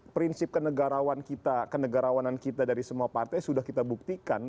prinsip kenegarawan kita kenegarawanan kita dari semua partai sudah kita buktikan